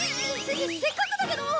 せせっかくだけど。